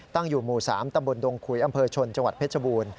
ตั้งอยู่หมู่๓ตำบลดงขุยอำเภอชนจังหวัดเพชรบูรณ์